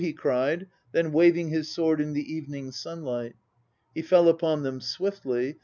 he cried, then waving His sword in the evening sunlight He fell upon them swiftly.